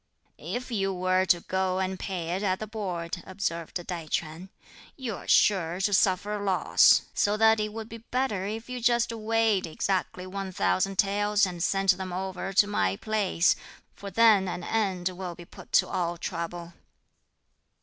"If you were to go and pay it at the Board," observed Tai Ch'üan; "you are sure to suffer loss; so that it would be better if you just weighed exactly one thousand taels and sent them over to my place; for then an end will be put to all trouble."